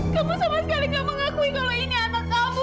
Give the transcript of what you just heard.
kamu sama sekali gak mengakui kalau ini anak kamu